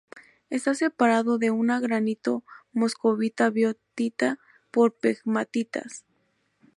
Está separado de una granito moscovita biotita por pegmatitas.